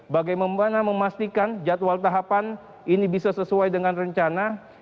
bagaimana memastikan jadwal tahapan ini bisa sesuai dengan rencana